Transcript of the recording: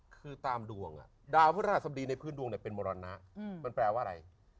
คือตามดวงดาวพระราชสมดีในพื้นดวงเป็นมรณะมันแปลว่าอะไร